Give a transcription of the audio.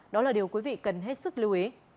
đó là điều quý vị cần hết sức lưu ý